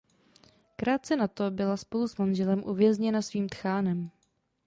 Krátce nato byla spolu s manželem uvězněna svým tchánem.